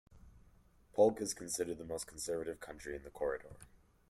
Polk is considered the most conservative county in the corridor.